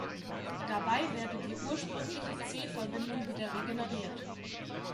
Dabei werde die ursprüngliche C-Verbindung wieder regeneriert.